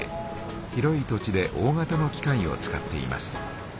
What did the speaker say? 広い土地で大型の機械を使っています。